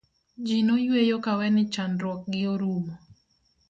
ji noyueyo kawe ni chandruok gi orumo